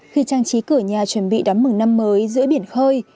khi trang trí cửa nhà chuẩn bị đắm mừng năm mới giữa biển khơi